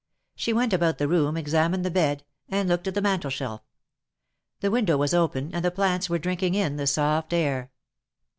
She went about the room, examined the bed and looked at the mantel shelf. The window was open, and the plants were drinking in the soft air.